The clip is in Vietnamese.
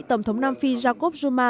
tổng thống nam phi jacob zuma